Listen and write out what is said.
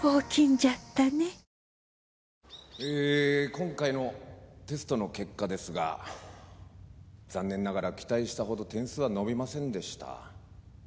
今回のテストの結果ですが残念ながら期待したほど点数は伸びませんでした。